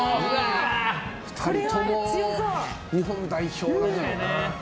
２人とも日本代表だからな。